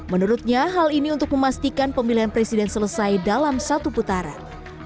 menurutnya hal ini untuk memastikan pemilihan presiden selesai dalam satu putaran